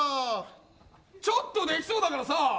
ちょっとできそうだからさ！